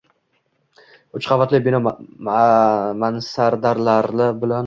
uch qavatli bino mansardalari bilan.